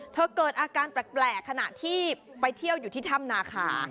เกิดอาการแปลกขณะที่ไปเที่ยวอยู่ที่ถ้ำนาคา